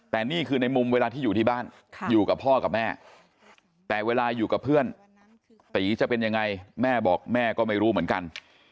แต่นี่คือในมุมเวลาที่อยู่ที่บ้านอยู่กับพ่อกับแม่แต่เวลาอยู่กับเพื่อนตีจะเป็นยังไงแม่บอกแม่ก็ไม่รู้เหมือนกัน